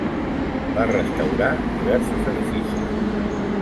Va restaurar diversos edificis.